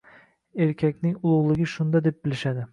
Erkakning ulug‘ligi shunda deb bilishadi